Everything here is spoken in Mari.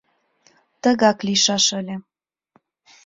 Тыгак лийшаш ыле.